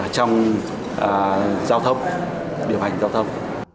trong giao thông điều hành giao thông